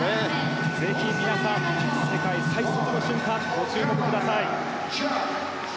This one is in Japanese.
ぜひ、皆さん世界最速の瞬間にご注目ください。